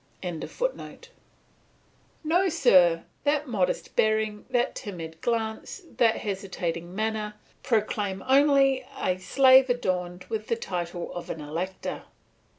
] No, sir, that modest bearing, that timid glance, that hesitating manner, proclaim only a slave adorned with the title of an elector."